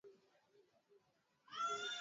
hiyo inachangia kwa pakubwa ambwa kwa sababu